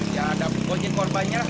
ya ada ojek korbannya lah